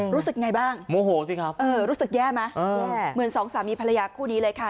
รู้สึกยังไงบ้างรู้สึกแย่ไหมเหมือนสองสามีภรรยากู้นี้เลยค่ะ